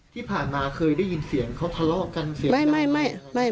ที่ผ่านมาเคยได้ยินเสียงเขาทะเลาะกันเสียง